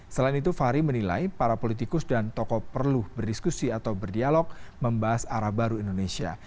selain itu fahri menilai para politikus dan tokoh perlu berdiskusi atau berdialog membahas arah baru indonesia